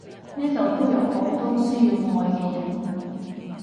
呢度都有好多需要愛嘅人！